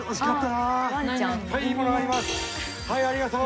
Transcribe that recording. はいありがとう。